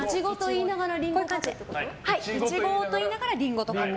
イチゴと言いながらリンゴと書く。